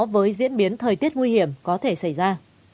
với diễn biến thời tiết nguy hiểm có thể xảy ra